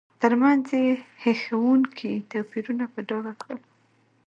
ترمنځ یې هیښوونکي توپیرونه په ډاګه کړل.